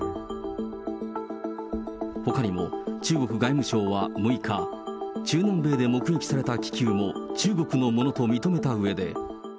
ほかにも中国外務省は６日、中南米で目撃された気球も中国のものと認めたうえで。